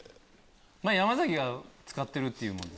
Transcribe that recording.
山崎が使ってるって言うもんで。